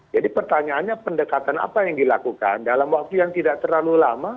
jadi pertanyaannya pendekatan apa yang dilakukan dalam waktu yang tidak terlalu lama